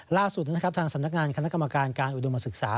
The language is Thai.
ล่าสุดนะครับทางสำนักงานคณะกรรมการการอุดมศึกษา